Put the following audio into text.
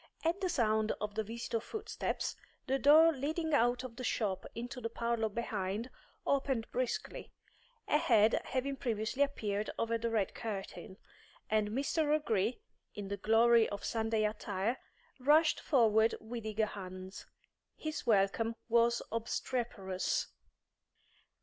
At the sound of the visitors' footsteps, the door leading out of the shop into the parlour behind opened briskly, a head having previously appeared over the red curtain, and Mr. O'Gree, in the glory of Sunday attire, rushed forward with eager hands. His welcome was obstreperous.